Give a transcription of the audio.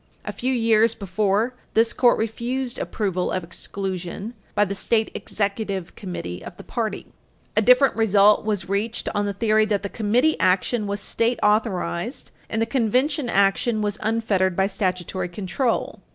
A few years before, this Court refused approval of exclusion by the State Executive Committee of the party. A different result was reached on the theory that the Committee action was state authorized, and the Convention action was unfettered by statutory control.